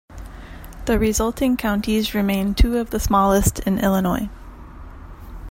The resulting counties remain two of the smallest in Illinois.